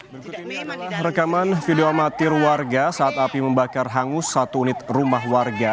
berikut ini rekaman video amatir warga saat api membakar hangus satu unit rumah warga